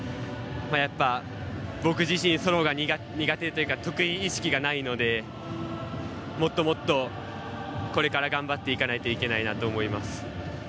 やっぱ僕自身ソロが苦手というか得意意識がないのでもっともっとこれから頑張っていかないといけないなと思います。